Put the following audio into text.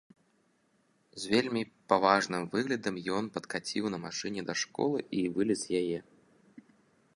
З вельмі паважным выглядам ён падкаціў на машыне да школы і вылез з яе.